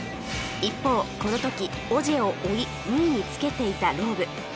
一方この時オジェを追い２位につけていたローブ